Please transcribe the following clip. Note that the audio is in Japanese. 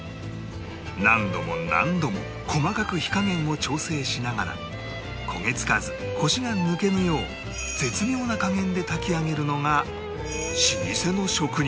何度も何度も細かく火加減を調整しながら焦げつかずコシが抜けぬよう絶妙な加減で炊き上げるのが老舗の職人技